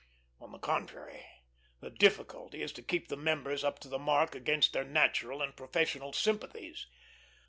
On the contrary, the difficulty is to keep the members up to the mark against their natural and professional sympathies.